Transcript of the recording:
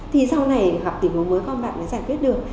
thì sau này gặp tình huống mới con bạn mới giải quyết được